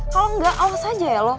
kalau enggak awas aja ya lo